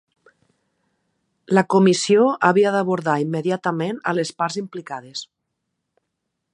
La Comissió havia d'abordar immediatament a les parts implicades.